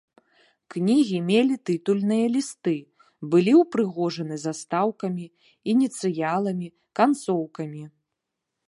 Кнігі мелі тытульныя лісты, былі ўпрыгожаны застаўкамі, ініцыяламі, канцоўкамі.